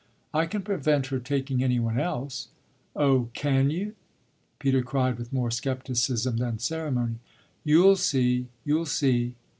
"I can prevent her taking any one else." "Oh can you?" Peter cried with more scepticism than ceremony. "You'll see you'll see."